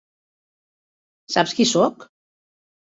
Saps qui soc?